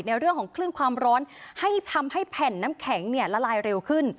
ในเรื่องของคลื่นความร้อนให้ทำให้แผ่นน้ำแข็งละลายเร็วขึ้น